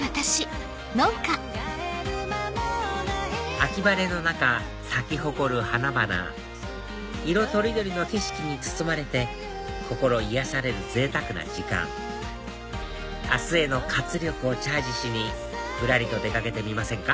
秋晴れの中咲き誇る花々色取り取りの景色に包まれて心癒やされるぜいたくな時間明日への活力をチャージしにぶらりと出かけてみませんか？